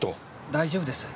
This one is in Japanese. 大丈夫です。